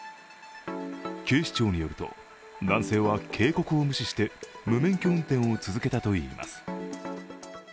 警視庁によると、男性は警告を無視して無免許運転を続けたといいます。